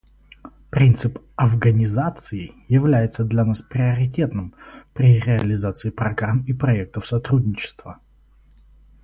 Принцип «афганизации» является для нас приоритетным при реализации программ и проектов сотрудничества.